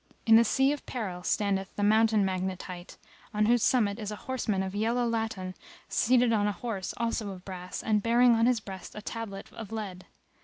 In the Sea of Peril standeth the Mountain Magnet hight; on whose summit is a horseman of yellow laton seated on a horse also of brass and bearing on his breast a tablet of lead.